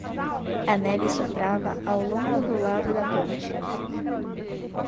A neve soprava ao longo do lado da ponte.